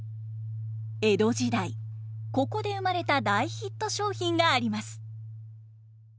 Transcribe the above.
江戸時代ここで生まれた大ヒット商品があります。